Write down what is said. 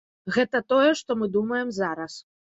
Гэта тое, што мы думаем зараз.